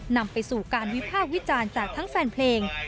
นำไปสู่การวิพากษ์วิจารณ์จากทั้งแฟนเพลง